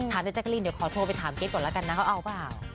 ถามเจ๊แจ๊กกลี้เดี๋ยวขอโทรไปถามเก๊กก่อนแล้วกันนะเขาเอาหรือเปล่า